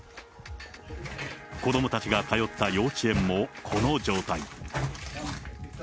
子どもたちが通った幼稚園もこの状態。